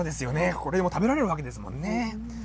これも食べられるわけですもんね。